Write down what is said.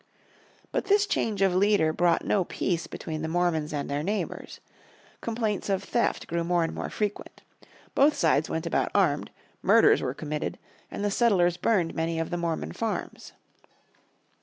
But this change of leader brought no peace between the Mormons and their neighbours. Complaints of theft grew more and more frequent. Both sides went about armed, murders were committed, and the settlers burned many of the Mormon farms.